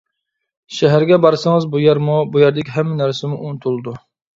شەھەرگە بارسىڭىز، بۇ يەرمۇ، بۇ يەردىكى ھەممە نەرسىمۇ ئۇنتۇلىدۇ.